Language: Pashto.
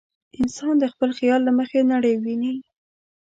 انسان د خپل خیال له مخې نړۍ ویني.